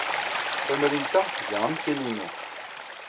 Tamrint-a tga am tin-inu.